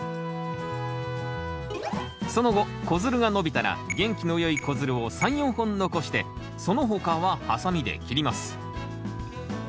その後子づるが伸びたら元気のよい子づるを３４本残してその他はハサミで切ります。